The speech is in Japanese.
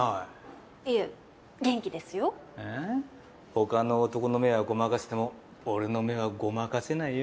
他の男の目はごまかせても俺の目はごまかせないよ。